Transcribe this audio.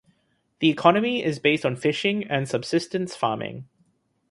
The economy is based on fishing and subsistence farming.